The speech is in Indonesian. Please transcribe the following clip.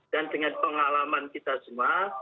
dan dengan pengalaman kita semua